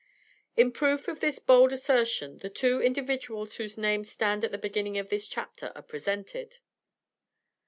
In proof of this bold assertion the two individuals whose names stand at the beginning of this chapter are presented.